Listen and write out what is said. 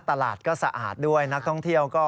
ตลาดก็สะอาดด้วยนักท่องเที่ยวก็